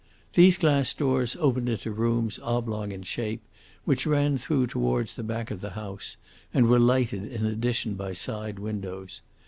These glass doors opened into rooms oblong in shape, which ran through towards the back of the house, and were lighted in addition by side windows.